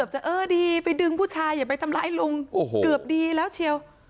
จะเออดีไปดึงผู้ชายอย่าไปทำร้ายลุงโอ้โหเกือบดีแล้วเชียว